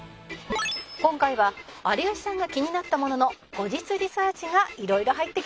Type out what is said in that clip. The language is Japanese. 「今回は有吉さんが気になったものの後日リサーチが色々入ってきます」